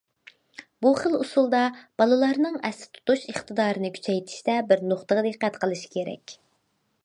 بۇ خىل ئۇسۇلدا بالىلارنىڭ ئەستە تۇتۇش ئىقتىدارىنى كۈچەيتىشتە بىر نۇقتىغا دىققەت قىلىش كېرەك.